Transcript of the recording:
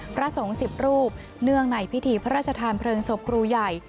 พระสงฆ์๑๐รูปเนื่องในพิธีพระราชทานเพลิงศพครูใหญ่